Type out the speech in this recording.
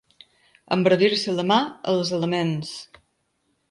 Embravir-se la mar, els elements.